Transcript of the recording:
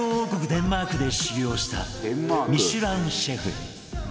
デンマークで修業したミシュランシェフ